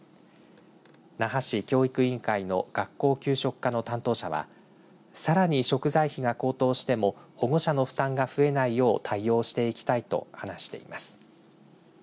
那覇市教育委員会の学校給食課の担当者はさらに食材費が高騰しても保護者の負担が増えないよう対応していきたいと話しています。